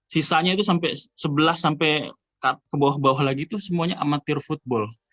sisanya itu sampai sebelas sampai ke bawah bawah lagi itu semuanya amatir football